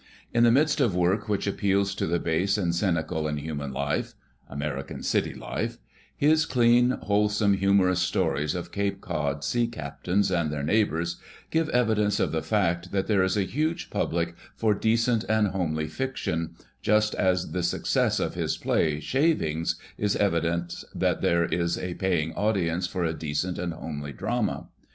In the midst of work which appeals to the base and cynical in human life (American city life) his clean, whole some, humorous stories of Cape Cod sea captains and their neighbors, give evidence of the fact that there is a huge public for decent and homely fiction, just as the success of his play "Shavings" is evidence that there is a paying audience for a decent and homely drama.